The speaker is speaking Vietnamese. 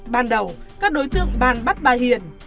ban đầu các đối tượng bàn bắt bà hiền